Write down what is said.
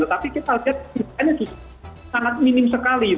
tetapi kita lihat tindakannya sangat minim sekali